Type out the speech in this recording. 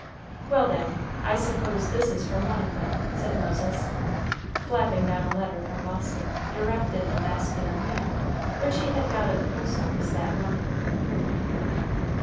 "Well, then, I suppose this is from one of them," said Moses, flapping down a letter from Boston, directed in a masculine hand, which he had got at the post office that morning.